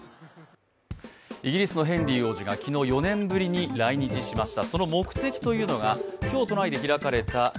イギリスのヘンリー王子が昨日４年ぶりに来日しました。